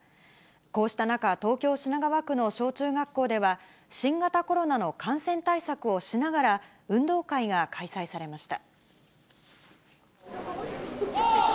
こうした中、東京・品川区の小中学校では、新型コロナの感染対策をしながら、運動会が開催されました。